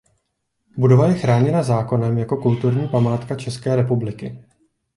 Budova je chráněna zákonem jako kulturní památka České republiky.